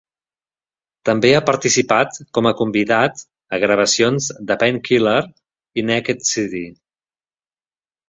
També ha participat com a convidat a gravacions de Painkiller i Naked City.